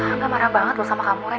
angga marah banget loh sama kamu